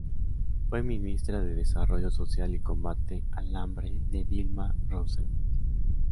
Fue ministra de Desarrollo Social y Combate al Hambre de Dilma Rousseff.